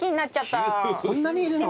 そんなにいるの？